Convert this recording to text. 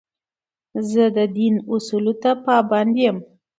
زه د دین اصولو ته پابند یم.